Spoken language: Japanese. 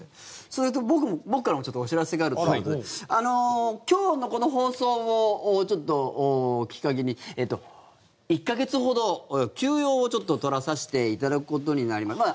それと、僕からもちょっとお知らせがあるということで今日のこの放送をきっかけに１か月ほど休養を取らさせていただくことになりました。